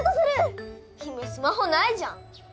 姫スマホないじゃん。